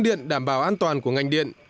điện đảm bảo an toàn của ngành điện